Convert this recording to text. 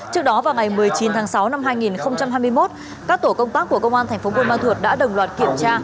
trước đó vào ngày một mươi chín tháng sáu năm hai nghìn hai mươi một các tổ công tác của công an tp bun man thuột đã đồng loạt kiểm tra